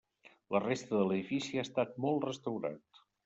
La resta de l'edifici ha estat molt restaurat.